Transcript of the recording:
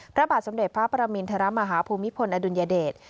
พระบาทสมเด็จพระประมินทรมาฮาภูมิพลอดุลยเดช